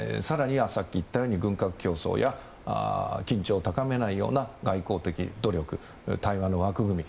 更には軍拡競争や緊張を高めないような外交的努力、対話の枠組み。